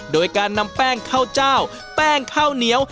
โดยการนำแป้งข้าวเจ้าแป้งข้าวเหนียว